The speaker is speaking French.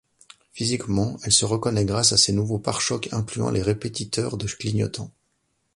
Physiquement, elle se reconnaît grâce à ses nouveaux pare-chocs incluant les répétiteurs de clignotants.